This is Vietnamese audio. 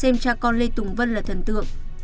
xem cha con lê tùng vân là thần tượng